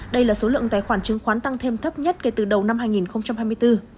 đây là số lượng tài khoản chứng khoán tăng thêm thấp nhất kể từ đầu năm hai nghìn hai mươi bốn